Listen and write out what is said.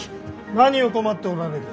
何を困っておられる。